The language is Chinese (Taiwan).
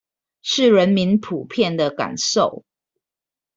是人民普遍的感受